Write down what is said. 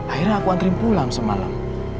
akhirnya aku antri pulang semalam